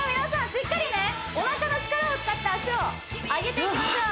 しっかりねおなかの力を使って脚を上げていきましょう